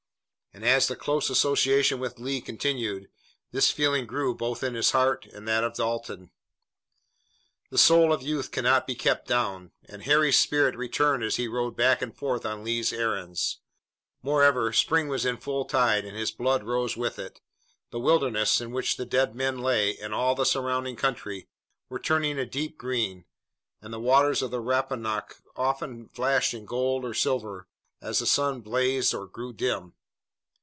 And as the close association with Lee continued, this feeling grew both in his heart and in that of Dalton. The soul of youth cannot be kept down, and Harry's spirits returned as he rode back and forth on Lee's errands. Moreover, spring was in full tide and his blood rose with it. The Wilderness, in which the dead men lay, and all the surrounding country were turning a deep green, and the waters of the Rappahannock often flashed in gold or silver as the sun blazed or grew dim.